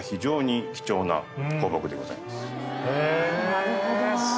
なるほどな。